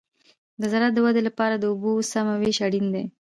د زراعت د ودې لپاره د اوبو سمه وېش اړین دی.